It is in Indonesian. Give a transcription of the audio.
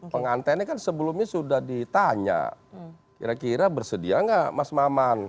pengantennya kan sebelumnya sudah ditanya kira kira bersedia gak mas maman